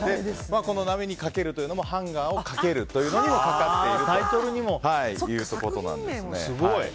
波にかけるというのもハンガーにかけるというのにかかっているということなんです。